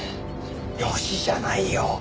よしじゃないよ！